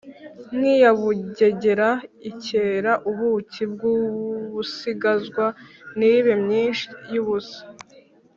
nk’iya Bugegera ikera ubuki bw’Ubusinzagwa ntibe myinshi y’ubusa!”